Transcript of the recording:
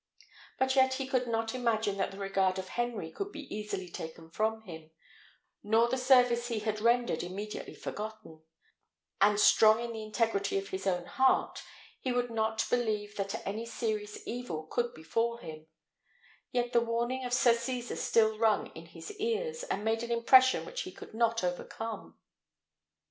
But yet he could not imagine that the regard of Henry would be easily taken from him, nor the service he he had rendered immediately forgotten; and strong in the integrity of his own heart, he would not believe that any serious evil could befall him; yet the warning of Sir Cesar still rung in his ears, and made an impression which he could not overcome.